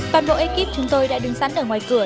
toàn bộ ekip chúng tôi đã đứng sẵn ở ngoài cửa